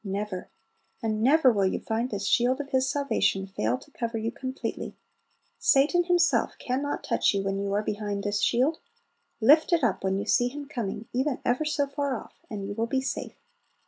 Never! and never will you find this shield of His salvation fail to cover you completely. Satan himself can not touch you when you are behind this shield! Lift it up when you see him coming, even ever so far off, and you will be safe.